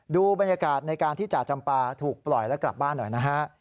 ดูบรรยากาศในการที่จ่าจำปาถูกปล่อยและกลับบ้านหน่อยนะฮะ